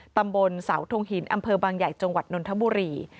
ตำบลเสาทงหินอำเภอบางใหญ่จังหวัดนนทบุรี